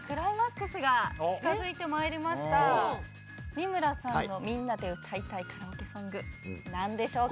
三村さんの「みんなで歌いたいカラオケ曲」何でしょうか？